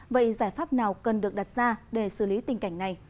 vậy giải pháp nào cần được đặt ra để xử lý tình cảnh này